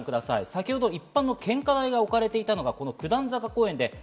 先ほど一般の献花台が置かれていたのが九段坂公園です。